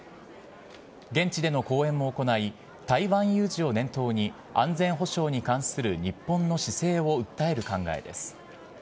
現地での講演も行い、台湾有事を念頭に、安全保障に関する日本の姿勢を訴える考えです。